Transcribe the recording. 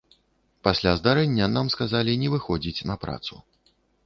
Пасля здарэння нам сказалі не выходзіць на працу.